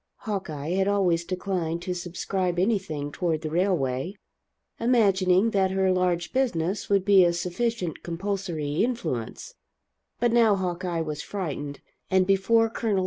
Hawkeye had always declined to subscribe anything toward the railway, imagining that her large business would be a sufficient compulsory influence; but now Hawkeye was frightened; and before Col.